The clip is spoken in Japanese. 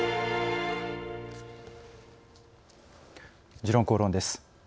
「時論公論」です。